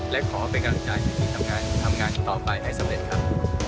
และขอเป็นกำลังใจที่ทำงานทำงานต่อไปให้สำเร็จครับ